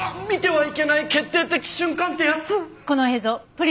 はい。